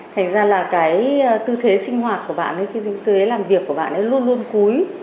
thành ra tư thế sinh hoạt của bạn ấy tư thế làm việc của bạn ấy luôn luôn cúi